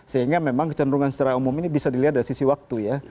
sehingga memang kecenderungan secara umum ini bisa dilihat dari sisi waktu ya